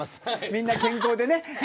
みんな健康でね。